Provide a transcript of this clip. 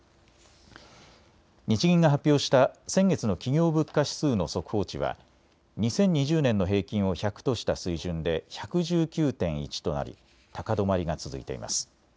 日銀が発表した先月の企業物価指数の速報値は２０２０年の平均を１００とした水準で１１９．１となり高止まりが続いています。